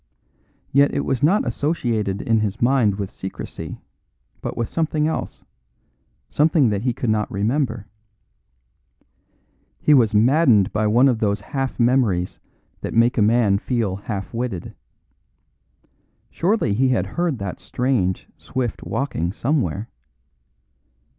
Yet it was not associated in his mind with secrecy, but with something else something that he could not remember. He was maddened by one of those half memories that make a man feel half witted. Surely he had heard that strange, swift walking somewhere.